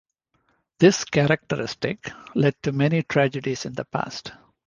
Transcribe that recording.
This characteristic led to many tragedies in the past.